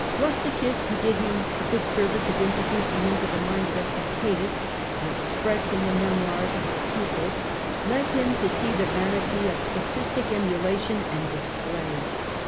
* Rusticus, who did him the good service of introducing him to the mind of Epictetus as expressed in the memoirs of his pupils, led him to see the vanity of sophistic emula tion and display.